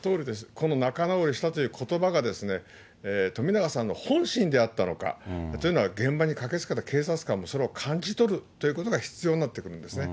この仲直りしたということばが、冨永さんの本心であったのかというのは、現場に駆けつけた警察官も、それを感じ取るということが必要になってくるんですよね。